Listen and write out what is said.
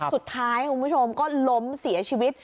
สุดท้ายคุณผู้ชมก็ล้มเสียชีวิต